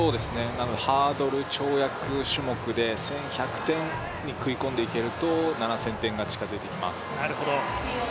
ハードル、跳躍種目で１１００点に食い込んでいけると、７０００点が近づいてきます。